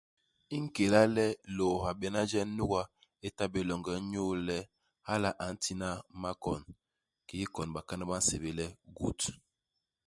I nkéla le ilôôha béna je nuga li ta bé longe, inyu le, hala a ntina makon, kiki ikoñ bakana ba nsébél le goûte.